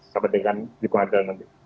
sama dengan di pengadilan nanti